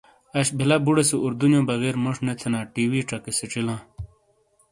اش بلہ بوڑے سے اردو نیو بغیر موش نے تھینا ٹی ۔وی چکے سیچی لاں۔